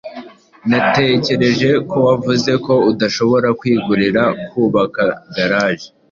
Natekereje ko wavuze ko udashobora kwigurira kubaka garage.